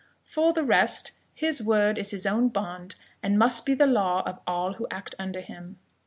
For the rest, his word is his own bond, and must be the law of all who act under him.